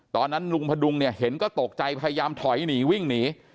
ตอนนั้นลุงพดุงเนี่ยเห็นก็ตกใจพยายามถอยหนีวิ่งหนี